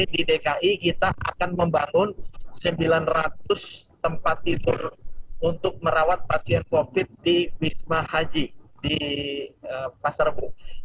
di dki kita akan membangun sembilan ratus tempat tidur untuk merawat pasien covid di wisma haji di pasar rebo